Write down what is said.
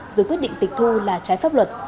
rồi quyết định tịch thu là trái pháp luật